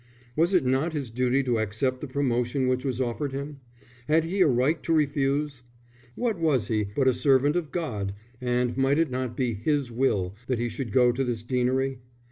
Was it not his duty to accept the promotion which was offered him? Had he a right to refuse? What was he but a servant of God, and might it not be His will that he should go to this deanery?